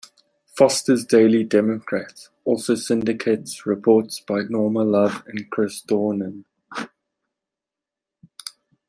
"Foster's Daily Democrat" also syndicates reports by Norma Love and Chris Dornin.